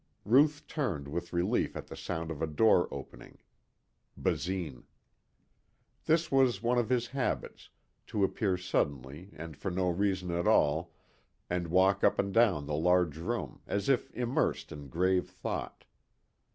Ruth turned with relief at the sound of a door opening. Basine. This was one of his habits, to appear suddenly and for no reason at all and walk up and down the large room as if immersed in grave thought.